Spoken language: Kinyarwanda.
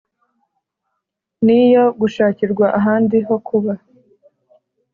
ni iyo gushakirwa ahandi hokuba